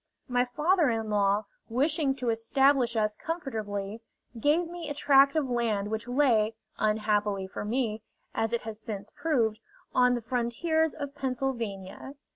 My father in law, wishing to establish us comfortably, gave me a tract of land which lay, unhappily for me, as it has since proved, on the frontiers of Pennsylvania.